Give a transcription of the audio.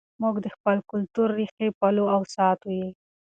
موږ د خپل کلتور ریښې پالو او ساتو یې.